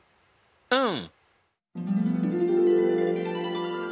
うん！